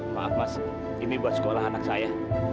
maaf mas ini buat sekolah anak saya